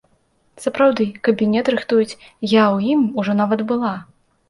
Сапраўды, кабінет рыхтуюць, я ў ім ужо нават была.